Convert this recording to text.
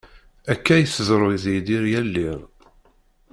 Akka i tḍeru d Yidir yal iḍ.